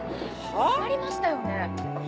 触りましたよね？